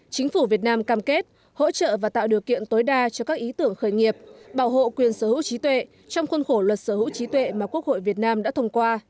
chính phủ việt nam cam kết hỗ trợ và tạo điều kiện tối đa cho các ý tưởng khởi nghiệp bảo hộ quyền sở hữu trí tuệ trong khuôn khổ luật sở hữu trí tuệ mà quốc hội việt nam đã thông qua